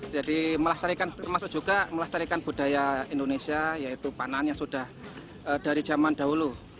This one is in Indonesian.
ya jadi melestarikan termasuk juga melestarikan budaya indonesia yaitu panahnya sudah dari zaman dahulu